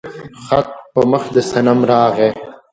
خط په مخ د صنم راغى